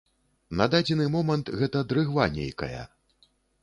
На дадзены момант гэта дрыгва нейкая.